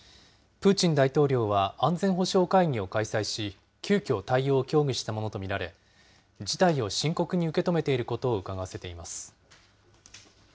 プーチン大統領は、安全保障会議を開催し、急きょ、対応を協議したものと見られ、事態を深刻に受け止めていることをうかがわせています。